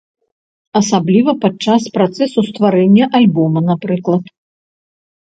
Асабліва падчас працэсу стварэння альбома, напрыклад.